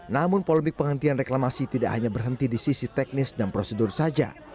namun polemik penghentian reklamasi tidak hanya berhenti di sisi teknis dan prosedur saja